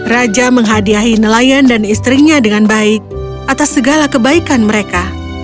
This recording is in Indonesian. raja menghadiahi nelayan dan istrinya dengan baik atas segala kebaikan mereka